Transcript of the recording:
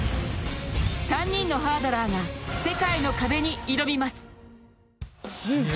３人のハードラーが世界の壁に挑みます。